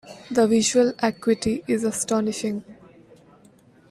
The visual acuity is astonishing.